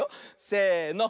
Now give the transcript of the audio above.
せの。